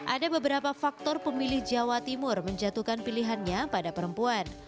ada beberapa faktor pemilih jawa timur menjatuhkan pilihannya pada perempuan